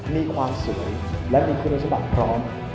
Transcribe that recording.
มีความสวยและมีคุณสมบัติพร้อม